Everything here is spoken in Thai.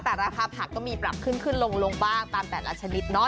แต่ราคาผักก็มีปรับขึ้นขึ้นลงบ้างตามแต่ละชนิดเนาะ